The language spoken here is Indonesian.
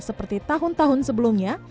seperti tahun tahun sebelumnya